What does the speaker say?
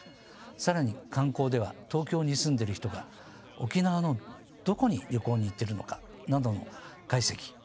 更に観光では東京に住んでる人が沖縄のどこに旅行に行ってるのかなどの解析。